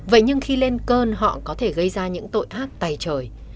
vậy nhưng khi lên cơn họ có thể gây ra những tội ác tay trời